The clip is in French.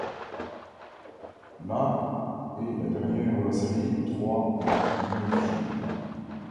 La est la dernière de la série de trois en neuf jours.